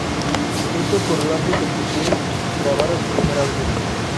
Esto ocurrió antes de que Queen grabara su primer álbum.